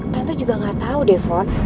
tante juga gak tau devon